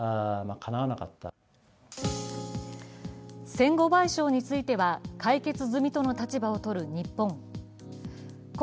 戦後賠償については解決済みとの立場をとる日本。